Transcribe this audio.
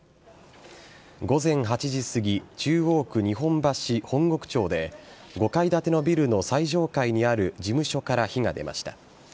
午前８時過ぎ、中央区日本橋本石町で、５階建てのビルの最上階にある事務所から火が出ました。